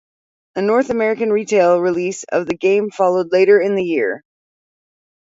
A North American retail release of the game followed later in the year.